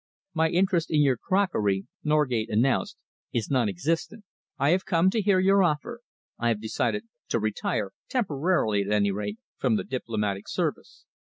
"My interest in your crockery," Norgate announced, "is non existent. I have come to hear your offer. I have decided to retire temporarily, at any rate from the Diplomatic Service.